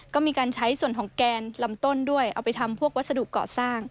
ก็มีการใช้ส่วนของแกนลำต้นด้วยเอาไปทำพวกวัสดุเกาะสร้าง